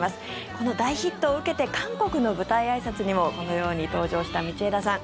この大ヒットを受けて韓国の舞台あいさつにもこのように登場した道枝さん。